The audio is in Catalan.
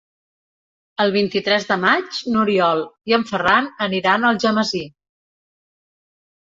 El vint-i-tres de maig n'Oriol i en Ferran aniran a Algemesí.